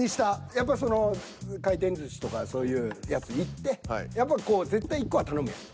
やっぱりその回転寿司とかそういうやつ行ってやっぱり絶対１個は頼むやん。